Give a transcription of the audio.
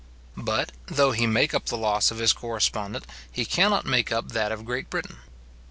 But, though he make up the loss of his correspondent, he cannot make up that of Great Britain.